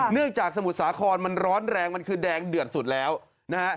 จากสมุทรสาครมันร้อนแรงมันคือแดงเดือดสุดแล้วนะฮะ